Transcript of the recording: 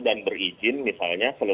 dan berizin misalnya